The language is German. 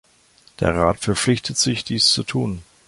Der Rat verpflichtet sich, dies zu tun.